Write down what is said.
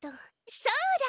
そうだ